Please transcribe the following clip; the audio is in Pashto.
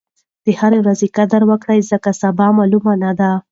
د هرې ورځې قدر وکړئ ځکه سبا معلومه نه ده.